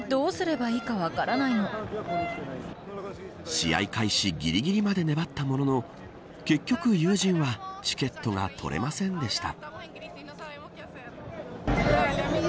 試合開始ぎりぎりまで粘ったものの結局、友人はチケットが取れませんでした。